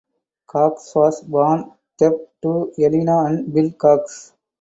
Cox was born deaf to Elena and Bill Cox.